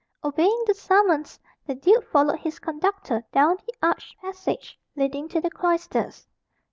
Obeying the summons, the duke followed his conductor down the arched passage leading to the cloisters.